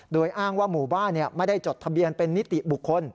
โดยอ้างว่าหมู่บ้านไม่ได้จดทะเบียนเป็นนิติบุคคล